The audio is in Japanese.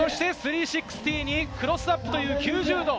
３６０にクロスアップという９０度。